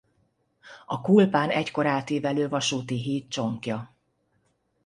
A Kulpán egykor átívelő vasúti híd csonkja.